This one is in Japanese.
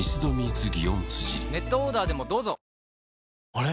あれ？